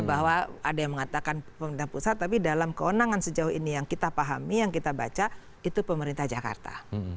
bahwa ada yang mengatakan pemerintah pusat tapi dalam kewenangan sejauh ini yang kita pahami yang kita baca itu pemerintah jakarta